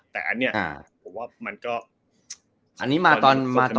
แต่อันนี้ผมว่ามันก็